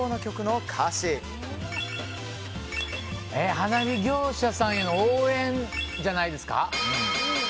花火業者さんへの応援じゃないですか？